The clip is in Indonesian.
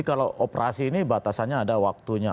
kalau operasi ini batasannya ada waktunya